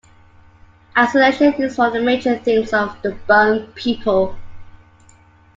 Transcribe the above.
Isolation is one of the major themes of "The Bone People".